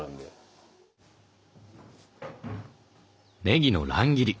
ねぎの乱切り。